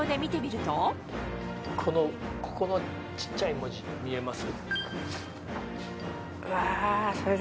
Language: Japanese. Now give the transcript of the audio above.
ここの小っちゃい文字見えます？